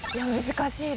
難しい？